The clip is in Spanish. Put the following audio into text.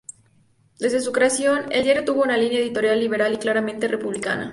Desde su creación el diario tuvo una línea editorial liberal y claramente republicana.